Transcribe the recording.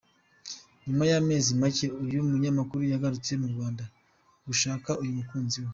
Nyuma y’amezi make, uyu munyamakuru yagarutse mu Rwanda gushaka uyu mukunzi we.